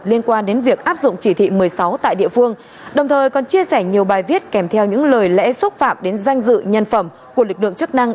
liên quan đến việc áp dụng chỉ thị một mươi sáu tại địa phương đồng thời còn chia sẻ nhiều bài viết kèm theo những lời lẽ xúc phạm đến danh dự nhân phẩm của lực lượng chức năng